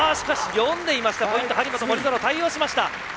読んでいました張本、森薗、対応しました！